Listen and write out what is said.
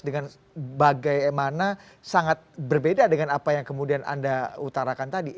dengan bagaimana sangat berbeda dengan apa yang kemudian anda utarakan tadi